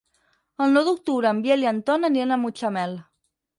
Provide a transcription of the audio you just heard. El nou d'octubre en Biel i en Ton aniran a Mutxamel.